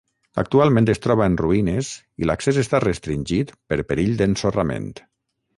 Actualment es troba en ruïnes i l'accés està restringit per perill d'ensorrament.